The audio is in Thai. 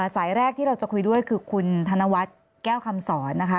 สายแรกที่เราจะคุยด้วยคือคุณธนวัฒน์แก้วคำสอนนะคะ